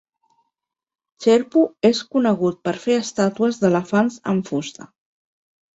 Cherpu és conegut per fer estàtues d'elefants amb fusta.